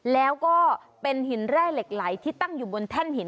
แล้วก็เป็นหินแร่เหล็กไหลที่ตั้งอยู่บนแท่นหิน